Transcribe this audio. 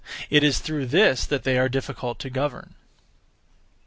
It is through this that they are difficult to govern.